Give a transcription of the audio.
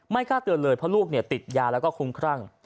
ไม่กล้าเตือนเลยเพราะลูกเนี่ยติดยาแล้วก็คุ้มครั่ง